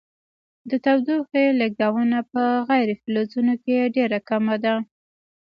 د تودوخې لیږدونه په غیر فلزونو کې ډیره کمه ده.